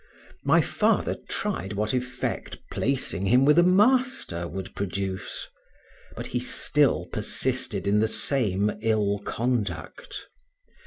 My father tried what effect placing him with a master would produce, but he still persisted in the same ill conduct.